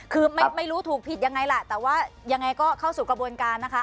คือไม่รู้ถูกผิดยังไงล่ะแต่ว่ายังไงก็เข้าสู่กระบวนการนะคะ